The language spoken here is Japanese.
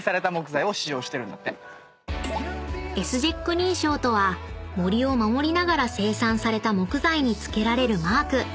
認証とは森を守りながら生産された木材に付けられるマーク］